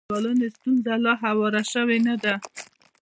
د بنسټپالنې ستونزه لا حل شوې نه ده.